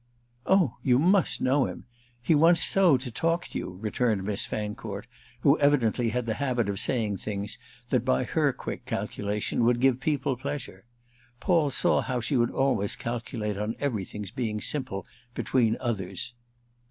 "Oh you must know him—he wants so to talk to you," returned Miss Fancourt, who evidently had the habit of saying the things that, by her quick calculation, would give people pleasure. Paul saw how she would always calculate on everything's being simple between others.